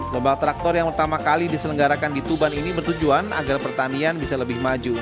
lomba traktor yang pertama kali diselenggarakan di tuban ini bertujuan agar pertanian bisa lebih maju